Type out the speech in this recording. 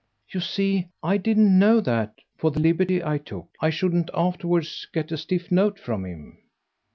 "You see I didn't know that for the liberty I took I shouldn't afterwards get a stiff note from him."